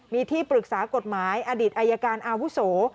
มีที่ปรึกษากฎหมายอดีตอายการอาวุโส